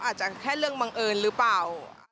อาจจะแค่เรื่องบังเอิญหรือเปล่า